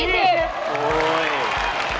โอ้โห